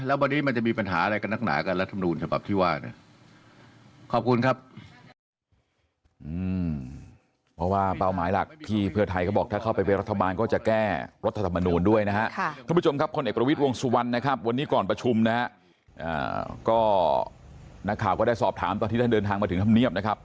แล้ววันนี้มันจะมีปัญหาอะไรกันนักหนากันรัฐมนูลฉบับที่ว่าเนี่ยขอบคุณครับ